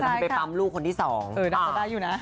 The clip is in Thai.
จะไปปั๊มลูกคนที่สอง